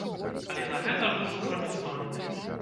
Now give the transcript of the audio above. Але на гэта быў ужо не здольны.